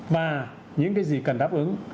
và những cái gì cần đáp ứng